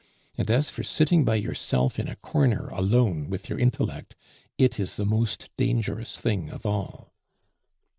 And as for sitting by yourself in a corner alone with your intellect, it is the most dangerous thing of all."